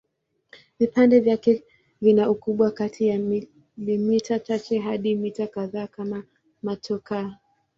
Vipande vyake vina ukubwa kati ya milimita chache hadi mita kadhaa kama motokaa.